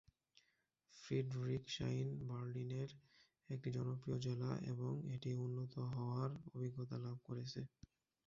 Friedrichshain বার্লিনের একটি জনপ্রিয় জেলা এবং এটি উন্নত হওয়ার অভিজ্ঞতা লাভ করেছে।